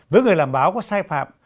với người làm báo có sai phạm